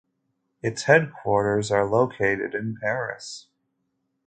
Its headquarters are located in Paris.